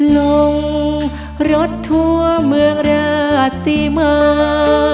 ลงรถทั่วเมืองราชศรีมา